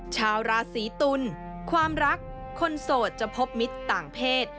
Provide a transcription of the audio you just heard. ชาวราศีตุลความรักคนโสดจะพบมิตรต่างเพศ